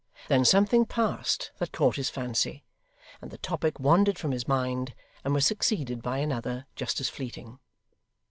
Then something passed that caught his fancy, and the topic wandered from his mind, and was succeeded by another just as fleeting.